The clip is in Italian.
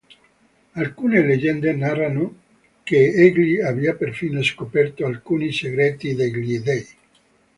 Alcune leggende narrano che egli abbia perfino scoperto alcuni segreti degli dei.